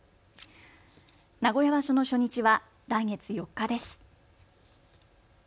名古屋場所の初日は来月４日です。